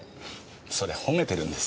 それ褒めてるんですか？